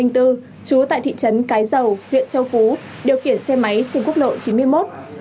trú tại thị trấn cái dầu huyện châu phú điều khiển xe máy trên quốc lộ chín mươi một